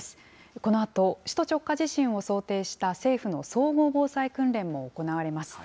このあと首都直下地震を想定した政府の総合防災訓練も行われます。